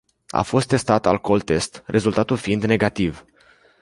A fost testat alcooltest, rezultatul fiind negativ.